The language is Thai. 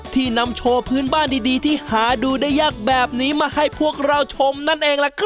ที่นำโชว์พื้นบ้านดีที่หาดูได้ยากแบบนี้มาให้พวกเราชมนั่นเองล่ะครับ